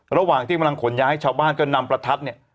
ระหว่างที่กำลังขนย้ายชาวบ้านก็นำประทัดเนี่ย